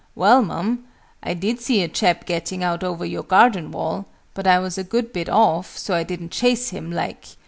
"Well, Mum, I did see a chap getting out over your garden wall: but I was a good bit off, so I didn't chase him, like.